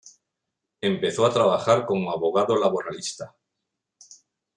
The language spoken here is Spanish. Empezó a trabajar como abogado laboralista.